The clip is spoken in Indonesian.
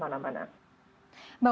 ya pakai hand sanitizer ya kan